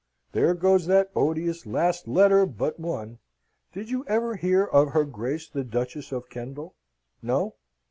"There goes that odious last letter but one! Did you ever hear of her Grace the Duchess of Kendal? No.